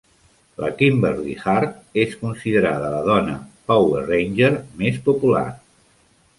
La Kimberly Hart és considerada la dona "power ranger" més popular.